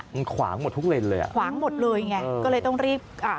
มันขวางหมดทุกเลนเลยอ่ะขวางหมดเลยไงก็เลยต้องรีบอ่า